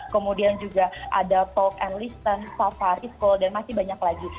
kemudian juga ada talk and listen safari school dan masih banyak lagi